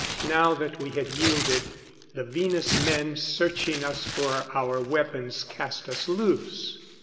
Now that we had yielded, the Venus men, searching us for our weapons, cast us loose.